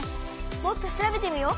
もっと調べてみよう！